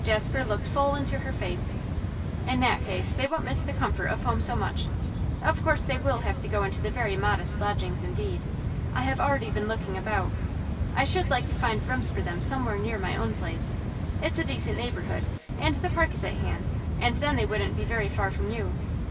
Jasper looked full into her face. 'In that case they won't miss the comfort of home so much. Of course they will have to go into very modest lodgings indeed. I have already been looking about. I should like to find rooms for them somewhere near my own place; it's a decent neighbourhood, and the park is at hand, and then they wouldn't be very far from you.